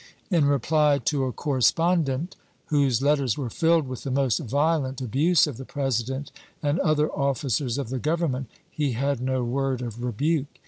In reply to a corre spondent, whose letters were filled with the most violent abuse of the President and other officers of the Government, he had no word of rebuke.